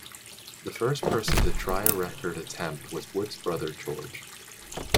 The first person to try a record attempt was Wood's brother, George.